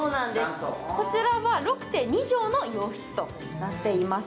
こちらは６．２畳の洋室となっています。